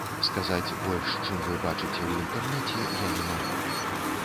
Сказаць больш, чым вы бачыце ў інтэрнэце, я не магу.